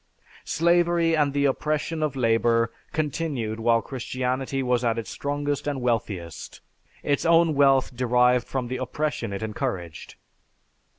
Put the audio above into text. Slavery and the oppression of labor continued while Christianity was at its strongest and wealthiest; its own wealth derived from the oppression it encouraged.